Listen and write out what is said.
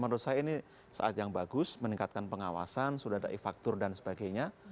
menurut saya ini saat yang bagus meningkatkan pengawasan sudah ada e faktur dan sebagainya